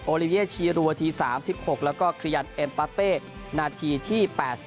ลิเวียชีรัวที๓๖แล้วก็คลียันเอ็มปาเต้นาทีที่๘๔